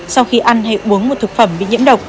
sau khi ăn hay uống một thực phẩm bị nhiễm độc